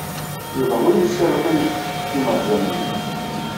Yuba ur yessalqey imerjan-nni.